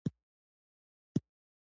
مېوې د افغان کلتور سره تړاو لري.